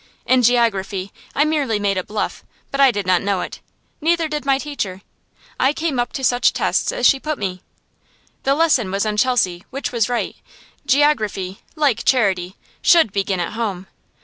In geography I merely made a bluff, but I did not know it. Neither did my teacher. I came up to such tests as she put me. The lesson was on Chelsea, which was right: geography, like charity, should begin at home.